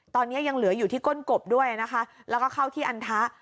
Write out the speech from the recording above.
ตอนนี้ยังเหลืออยู่ที่ก้นกบด้วยนะคะแล้วก็เข้าที่อันทะ